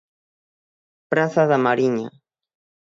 Praza da Mariña.